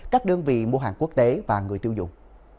các đơn vị mua hàng quốc tế và người tiêu dùng